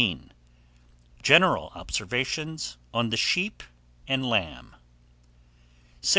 GENERAL OBSERVATIONS ON THE SHEEP AND LAMB. 678.